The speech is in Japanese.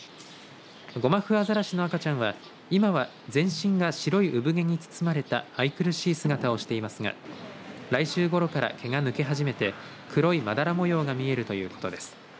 ゴマフアザラシの赤ちゃんは今は全身が白い産毛に包まれた愛くるしい姿をしていますが来週ごろから毛が抜け始めて黒いまだら模様が見えるということです。